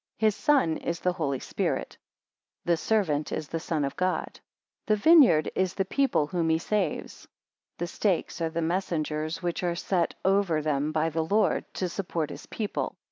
46 His son is the Holy Spirit; the servant is the Son of God: the vineyard is the people whom he saves. The stakes are the messengers which are set oven them by the Lord, to support his people.